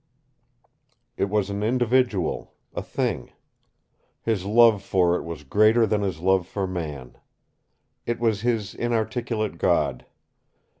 It was an individual, a thing. His love for it was greater than his love for man. It was his inarticulate God.